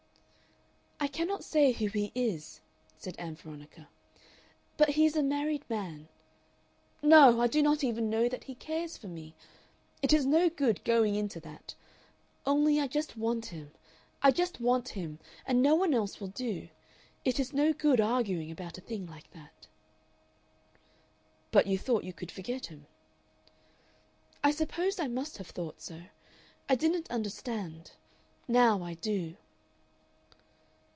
"I cannot say who he is," said Ann Veronica, "but he is a married man.... No! I do not even know that he cares for me. It is no good going into that. Only I just want him. I just want him, and no one else will do. It is no good arguing about a thing like that." "But you thought you could forget him." "I suppose I must have thought so. I didn't understand. Now I do."